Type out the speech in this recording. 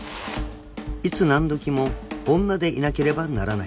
［いつ何時も女でいなければならない］